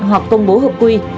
hoặc công bố hợp quy